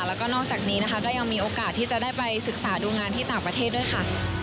แล้วก็นอกจากนี้นะคะก็ยังมีโอกาสที่จะได้ไปศึกษาดูงานที่ต่างประเทศด้วยค่ะ